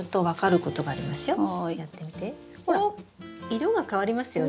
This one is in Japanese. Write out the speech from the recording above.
色が変わりますよね？